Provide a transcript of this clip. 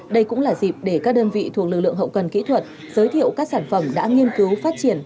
đây cũng là dịp để các đơn vị thuộc lực lượng hậu cần kỹ thuật giới thiệu các sản phẩm đã nghiên cứu phát triển